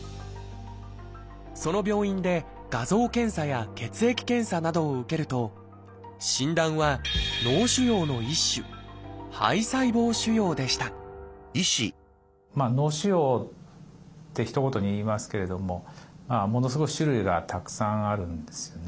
その病院で画像検査や血液検査などを受けると診断は脳腫瘍の一種脳腫瘍ってひと言に言いますけれどもものすごい種類がたくさんあるんですよね。